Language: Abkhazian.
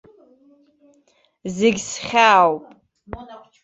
Зегь схьаауп.